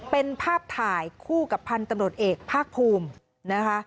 เป็นภาพถ่ายคู่กับพันธุ์ตำรวจเอกภาคภูมินะคะ